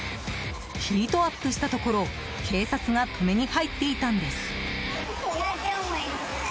ヒートアップしたところを警察が止めに入っていたんです。